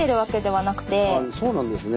はいそうなんですね。